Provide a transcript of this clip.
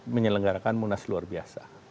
menyelenggarakan munas luar biasa